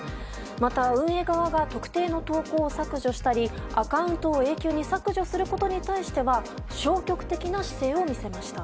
また、運営側が特定の投稿を削除したりアカウントを永久に削除することに対しては消極的な姿勢を見せました。